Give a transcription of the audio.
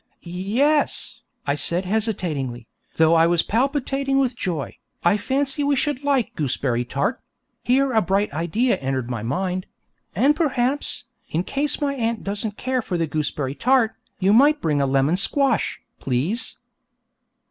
'Ye es,' I said hesitatingly, though I was palpitating with joy, 'I fancy we should like gooseberry tart' (here a bright idea entered my mind); 'and perhaps, in case my aunt doesn't care for the gooseberry tart, you might bring a lemon squash, please.'